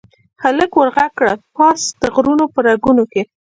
هلک ور ږغ کړل، پاس د غرونو په رګونو کې